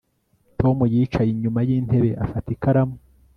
Tom yicaye inyuma yintebe afata ikaramu